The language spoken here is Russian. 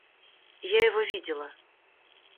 Я его видела.